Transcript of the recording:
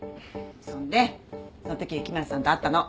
そんでそのとき雪村さんと会ったの。